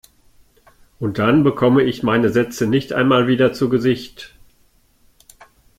Und dann bekomme ich meine Sätze nicht einmal wieder zu Gesicht!